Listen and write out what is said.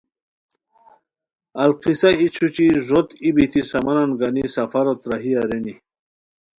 القصہ ای چھوچی ݱوت ای بیتی سامانن گانی سفروت راہی ارینی